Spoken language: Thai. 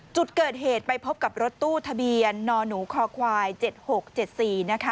จุดเกิดเหตุไปพบกับรถตู้ทะเบียนนหนูคอควาย๗๖๗๔นะคะ